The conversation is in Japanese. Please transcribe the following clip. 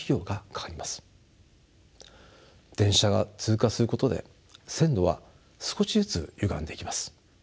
電車が通過することで線路は少しずつゆがんでいきます。